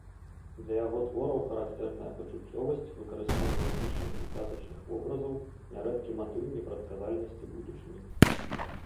Для яго твораў характэрная пачуццёвасць, выкарыстанне міфічных і казачных вобразаў, нярэдкі матыў непрадказальнасці будучыні.